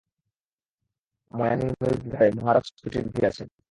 ময়ানি নদীর ধারে মহারাজ কুটির বাঁধিয়াছেন।